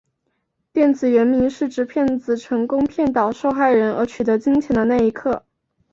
电影原名是指骗子成功骗倒受害人而取得金钱的那一刻。